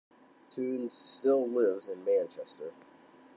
Tunes still lives in Manchester.